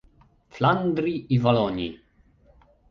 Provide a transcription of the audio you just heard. Flandrii i Walonii